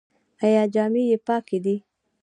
ایا جامې یې پاکې دي؟